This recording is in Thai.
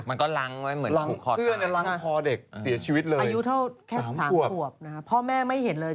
มันก็ล้างไว้เหมือนถูกคอตไกลใช่ค่ะอายุเท่าแค่๓ควบนะครับพ่อแม่ไม่เห็นเลย